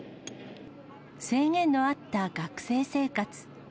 制限のあった学生生活。